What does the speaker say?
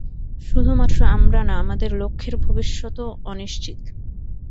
শুধুমাত্র আমরা না, আমাদের লক্ষ্যের ভবিষ্যতও অনিশ্চিত!